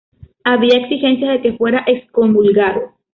Había exigencias de que fuera excomulgado.